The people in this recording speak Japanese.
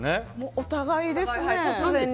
お互いですね。